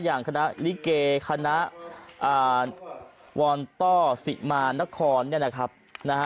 อย่างคณะลิเกคณะวอนต้อสิมานครเนี่ยนะครับนะฮะ